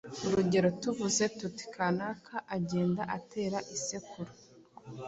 Urugero tuvuze tuti: “Kanaka agenda atera isekuru.”